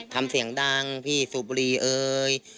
ทำเสียงดังพี่สูบบุหรี่เอ๋ย